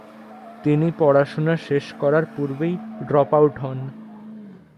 তিনি পড়াশুনা শেষ করার পূর্বেই ড্রপ আউট হন।